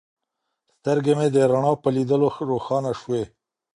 سترګې مې د رڼا په لیدلو روښانه شوې.